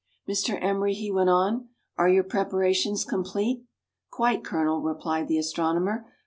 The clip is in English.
" Mr, Emery," he went on, " are your preparations com plete.?" " Quite, Colonel," replied the astronomer.